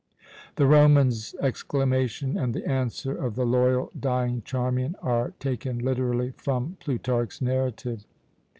"*[* The Roman's exclamation and the answer of the loyal dying Charmian are taken literally from Plutarch's narrative.